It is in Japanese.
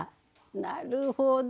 なるほど。